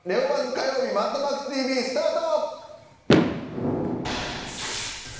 火曜日『マッドマックスＴＶ』スタート！